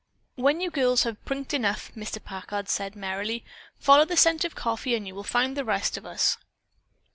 "When you girls have prinked enough," Mr. Packard said merrily, "follow the scent of the coffee and you will find the rest of us."